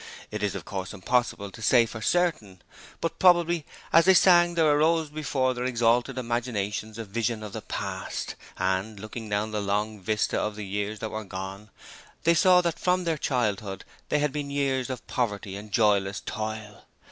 It is of course impossible to say for certain, but probably as they sang there arose before their exalted imaginations, a vision of the Past, and looking down the long vista of the years that were gone, they saw that from their childhood they had been years of poverty and joyless toil.